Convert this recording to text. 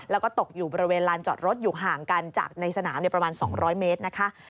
แล้วก็ตกอยู่บริเวณลานจอดรถอยู่ห่างกันจากในสนามประมาณ๒๐๐เมตรนะคะ